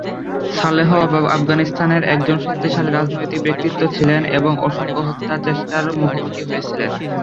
সালেহ আফগানিস্তানের একজন শক্তিশালী রাজনৈতিক ব্যক্তিত্ব ছিলেন এবং অসংখ্য হত্যা চেষ্টার মুখোমুখি হয়েছিলেন।